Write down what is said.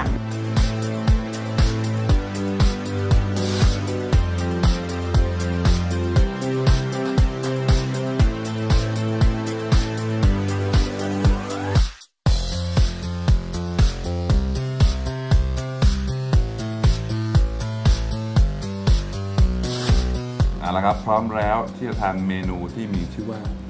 เอาละครับพร้อมแล้วที่จะทานเมนูที่มีชื่อว่า